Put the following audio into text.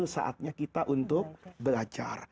saatnya kita untuk belajar